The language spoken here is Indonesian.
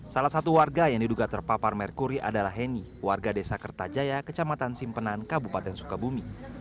salah satu warga yang diduga terpapar merkuri adalah heni warga desa kertajaya kecamatan simpenan kabupaten sukabumi